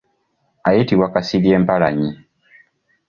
Ayitibwa Kasirye Mpalanyi.